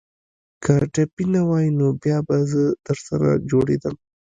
که ټپي نه واى نو بيا به زه درسره جوړېدم.